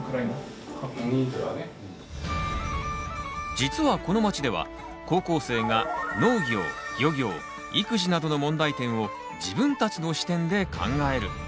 実はこの町では高校生が農業漁業育児などの問題点を自分たちの視点で考える。